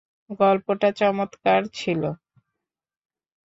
গল্পটা চমৎকার ছিল।